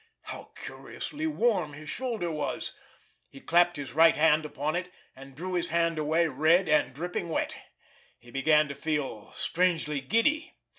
How curiously warm his shoulder was! He clapped his right hand upon it, and drew his hand away, red and dripping wet. He began to feel strangely giddy.